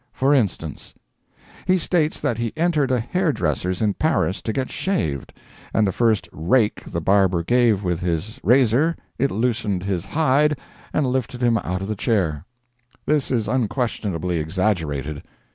For instance: He states that he entered a hair dresser's in Paris to get shaved, and the first '"rake" the barber gave with his razor it loosened his "hide" and lifted him out of the chair. This is unquestionably exaggerated.